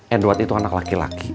enduat itu anak laki laki